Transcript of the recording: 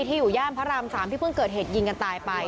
อยู่ย่านพระราม๓ที่เพิ่งเกิดเหตุยิงกันตายไป